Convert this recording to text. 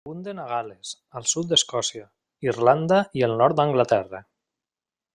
Abunden a Gal·les, al sud d'Escòcia, Irlanda i el nord d'Anglaterra.